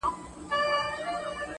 زما د ژوند هره شيبه او گړى